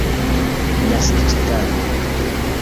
naskiĝtago